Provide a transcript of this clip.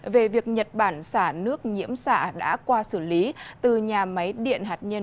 về việc nhật bản xả nước nhiễm xạ đã qua xử lý từ nhà máy điện hạt nhân